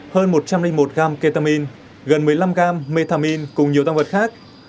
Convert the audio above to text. hơn một trăm linh một gram ketamine gần một mươi năm gram metamine cùng nhiều tăng vật khác